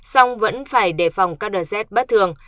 song vẫn phải đề phòng các đợt rét bất thường